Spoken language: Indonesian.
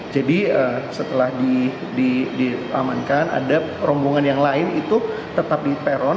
jadi setelah diamankan ada rombongan yang lain itu tetap di peron